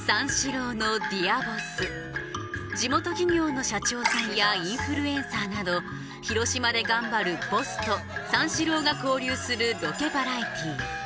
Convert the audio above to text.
地元企業の社長さんやインフルエンサーなど広島で頑張る「ボス」と三四郎が交流するロケバラエティー